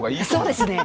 そうですね。